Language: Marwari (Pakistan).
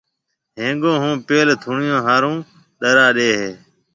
ھيَََنگون ھون پيل ٿوڻيون ھارو ڏرا ڏَي ھيََََ